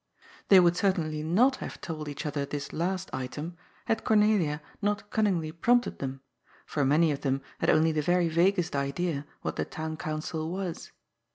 They would certainly not have told each other this last item had Cor nelia not cunningly prompted them, for many of them had only the very vaguest idea what the Town Council was.